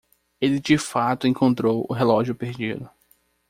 Ele de fato encontrou o relógio perdido.